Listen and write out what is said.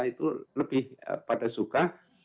itu lebih pada suka